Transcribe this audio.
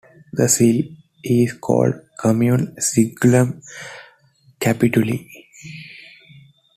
The seal is called "commune sigillum capituli".